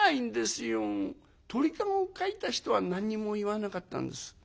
鳥籠を描いた人は何にも言わなかったんです。